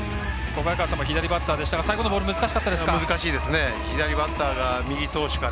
小早川さんも左バッターでしたが最後難しかったですか？